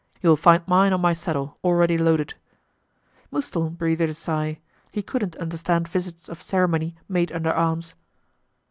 You will find mine on my saddle, already loaded." Mouston breathed a sigh; he couldn't understand visits of ceremony made under arms.